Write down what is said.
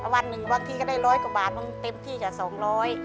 วันหนึ่งบางทีก็ได้ร้อยกว่าบาทบางเต็มที่จ้ะสองร้อย